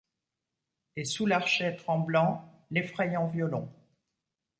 Et sous l'archet tremblant l'effrayant violon